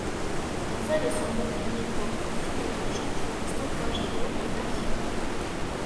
Les ailes sont repliées contre le fuselage pour le stockage à bord des navires.